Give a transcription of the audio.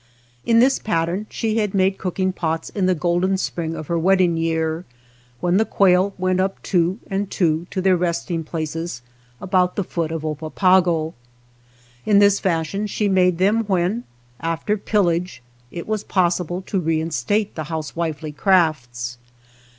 In this pattern she had made cook ing pots in the golden spring of her wed ding year, when the quail went up two and two to their resting places about the foot of Oppapago. In this fashion she made them when, after pillage, it was possible to reinstate the housewifely crafts.